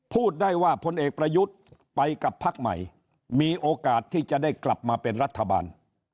พูดได้ว่าพลเอกประยุทธ์ไปกับพักใหม่มีโอกาสที่จะได้กลับมาเป็นรัฐบาล